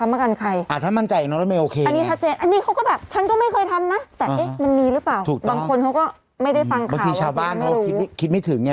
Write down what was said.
ไม่ได้ฟังข่าวว่าเป็นอีกไม่รู้บางทีชาวบ้านว่าคิดไม่ถึงไง